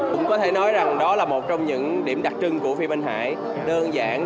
cũng có thể nói rằng đó là một trong những điểm đặc trưng của phim anh hải đơn giản